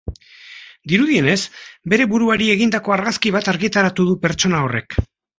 Dirudienez, bere buruari egindako argazki bat argitaratu du pertsona horrek.